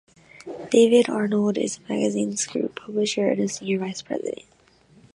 David Arnold is the magazine's group publisher and a senior vice president.